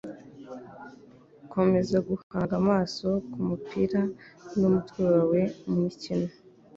Komeza guhanga amaso kumupira numutwe wawe mumikino.